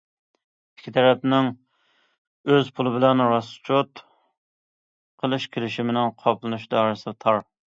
ئىككى تەرەپنىڭ ئۆز پۇلى بىلەن راسچوت قىلىش كېلىشىمىنىڭ قاپلىنىش دائىرىسى تار.